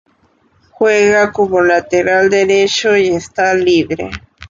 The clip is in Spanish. Juega como lateral derecho y está libre.